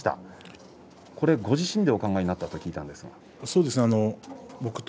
これはご自身でお考えになったと聞いたんですけれども。